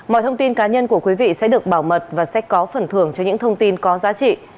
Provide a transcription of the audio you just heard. mọi thông tin cá nhân của quý vị sẽ được bảo mật và sẽ có phần thưởng cho những thông tin có giá trị